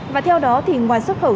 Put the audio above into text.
và theo đó thì ngoài xuất khẩu